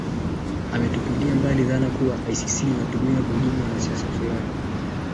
ametupilia mbali dhana kuwa icc inatumiwa kuhujumu wanasiasa fulani